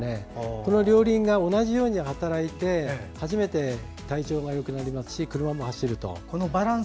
この両輪が同じように働いて初めて、体調がよくなりますし車も走ると。